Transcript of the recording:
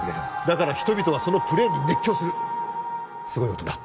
だから人々はそのプレーに熱狂するすごいことだ